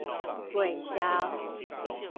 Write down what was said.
月潲